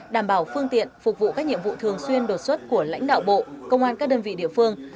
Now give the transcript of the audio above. đảm bảo phương tiện phục vụ các nhiệm vụ thường xuyên đột xuất của lãnh đạo bộ công an các đơn vị địa phương